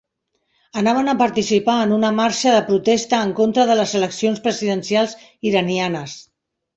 Anaven a participar en una marxa de protesta en contra de les eleccions presidencials iranianes.